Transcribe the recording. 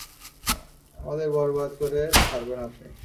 আমাদের বরবাদ করে ছাড়বেন আপনি!